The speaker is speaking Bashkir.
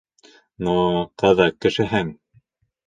Ну, ҡыҙыҡ кешеһең.